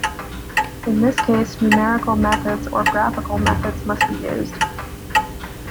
In this case, numerical methods or graphical methods must be used.